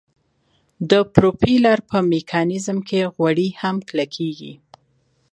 د پروپیلر په میکانیزم کې غوړي هم کلکیږي